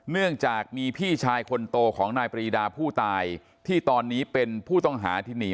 เนื่องจากมีพี่ชายคนโตของนายปรีดาผู้ตายที่ตอนนี้เป็นผู้ต้องหาที่หนี